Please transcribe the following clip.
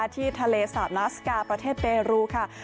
ที่ทะเลสาบนาสกาประเทศเปรูค่ะ